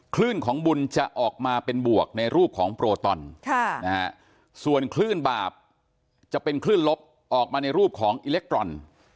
คลื่นของบุญจะออกมาเป็นบวกในรูปของโปรตอนส่วนคลื่นบาปจะเป็นคลื่นลบออกมาในรูปของอิเล็กทรอน